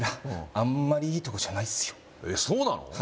あんまりいいとこじゃないっすよえそうなの？